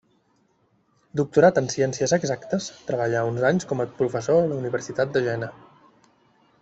Doctorat en Ciències Exactes, treballà uns anys com a professor a la Universitat de Jena.